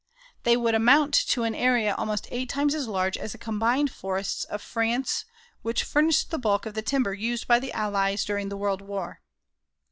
They would amount to an area almost eight times as large as the combined forests of France which furnished the bulk of the timber used by the Allies during the World War.